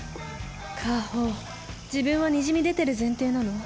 夏帆自分はにじみ出てる前提なの？